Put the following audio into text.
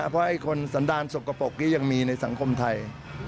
เพราะไอ้คนสันดาลสกปรกนี้ยังมีในสังคมไทย